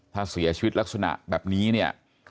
ถ้าเสียชีวิตลักษณะแบบนี้เนี่ย